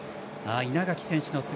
稲垣選手の姿。